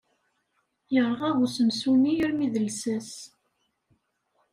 Yerɣa usensu-nni armi d llsas.